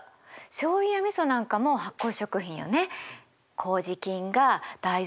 しょうゆやみそなんかも発酵食品よね。